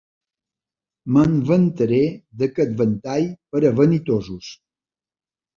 Me'n vantaré, d'aquest ventall per a vanitosos.